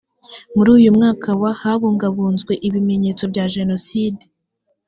muri uyu mwaka wa habungabunzwe ibimenyetso bya jenoside